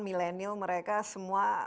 millenial mereka semua